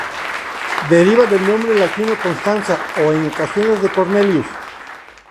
Deriva del nombre latino Constanza o, en ocasiones, de Cornelius.